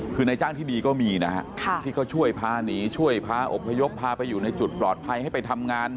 คือในจ้างที่ดีก็มีนะฮะที่เขาช่วยพาหนีช่วยพาอบพยพพาไปอยู่ในจุดปลอดภัยให้ไปทำงาน